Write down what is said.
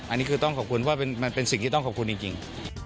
อันนี้คือต้องขอบคุณว่ามันเป็นสิ่งที่ต้องขอบคุณจริง